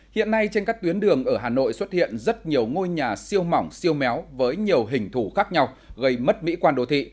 hiện nay trên các tuyến đường ở hà nội xuất hiện rất nhiều ngôi nhà siêu mỏng siêu méo với nhiều hình thủ khác nhau gây mất mỹ quan đô thị